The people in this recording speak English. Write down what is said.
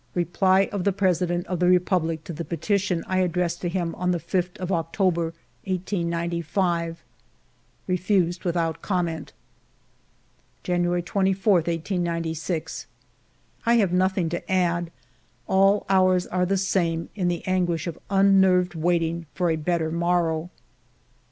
Reply of the President of the Republic to the petition I addressed to him on the 5th of October, 1895: —" Refused without comment.'* January 24, 1896. I have nothing to add ; all hours are the same, in the anguish of unnerved waiting for a better morrow.